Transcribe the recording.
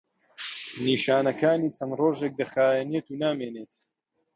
نیشانەکانی چەند ڕۆژێک دەخایەنێت و نامێنێت.